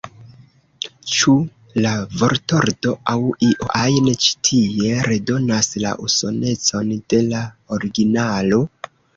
Ĉu la vortordo aŭ io ajn ĉi tie redonas la usonecon de la originalo?